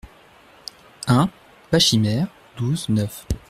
un ; Pachymère, douze, neuf.